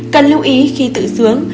cần lưu ý khi tự sướng